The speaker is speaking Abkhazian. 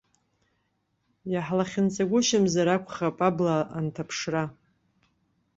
Иаҳлахьынҵагәышьамзар акәхап абла анҭаԥшра.